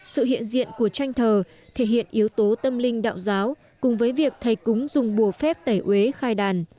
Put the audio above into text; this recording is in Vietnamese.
sự hiện diện của tranh thờ thể hiện yếu tố tâm linh đạo giáo cùng với việc thầy cúng dùng bùa phép tẩy uế khai đàn